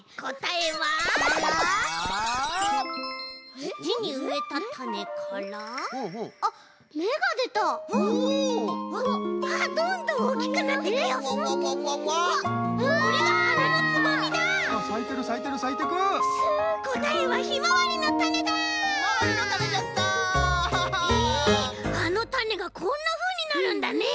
へえあのたねがこんなふうになるんだね！